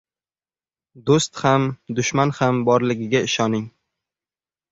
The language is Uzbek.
• Do‘st ham, dushman ham borligiga ishoning.